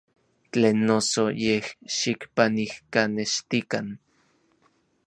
Tlen noso, yej xikpanijkanextikan.